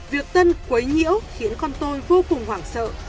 việc tân quấy nhiêu khiến con tôi vô cùng hoảng sợ